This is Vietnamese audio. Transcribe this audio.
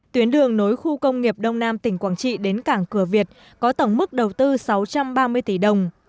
tuyến đường nối khu công nghiệp đông nam tỉnh quảng trị đến cảng cửa việt có tổng mức đầu tư sáu trăm ba mươi tỷ đồng